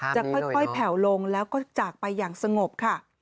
จะค่อยแผ่วลงแล้วก็จากไปอย่างสงบค่ะ